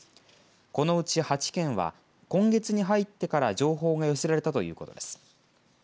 このうち８件は今月に入ってから情報が寄せられたということです。